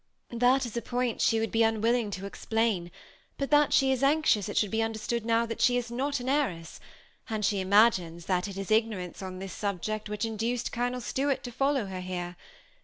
" That is a point she would be unwilling to explain, but that she is anxious it should be understood now that she is not an heiress ; and she imagines that it is igno rance on this subject which induced Colonel Stuart to fol low her here.